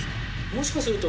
もしかすると。